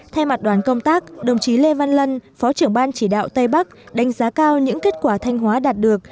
thay mặt đoàn công tác đồng chí lê văn lân phó trưởng ban chỉ đạo tây bắc đánh giá cao những kết quả thanh hóa đạt được